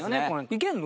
いけるの？